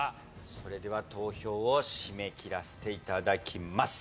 それでは投票を締め切らせていただきます